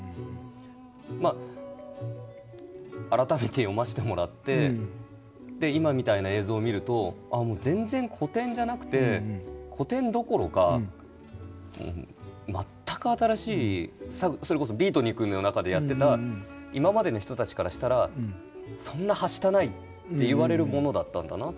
まあ改めて読ませてもらって今みたいな映像を見ると全然古典じゃなくて古典どころか全く新しいそれこそビートニクの中でやってた今までの人たちからしたら「そんなはしたない」と言われるものだったんだなという。